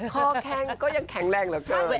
ข้อแข็งก็ยังแข็งแรงเหล่าเกิน